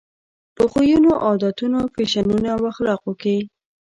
په خویونو، عادتونو، فیشنونو او اخلاقو کې.